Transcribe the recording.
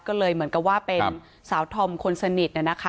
ก็เลยเหมือนกับว่าเป็นสาวธรรมคนสนิทเนี่ยนะคะ